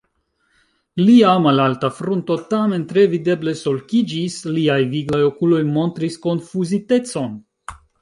Lia malalta frunto tamen tre videble sulkiĝis, liaj viglaj okuloj montris konfuzitecon.